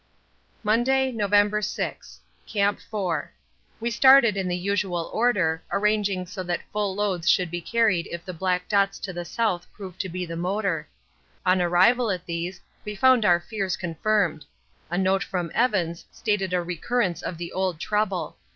Monday, November 6. Camp 4. We started in the usual order, arranging so that full loads should be carried if the black dots to the south prove to be the motor. On arrival at these we found our fears confirmed. A note from Evans stated a recurrence of the old trouble.